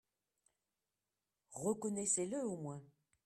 Reconnaissez-le au moins